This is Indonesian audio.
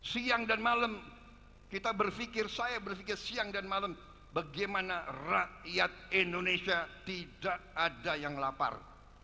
siang dan malam kita berpikir saya berpikir siang dan malam bagaimana rakyat indonesia tidak ada yang lapar